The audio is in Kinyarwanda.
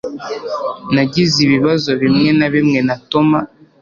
Nagize ibibazo bimwe na bimwe na Toma